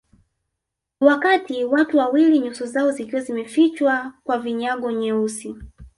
Wakati watu wawili nyuso zao zikiwa zimefichwa kwa vinyago nyeusi